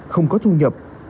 không có thu nhập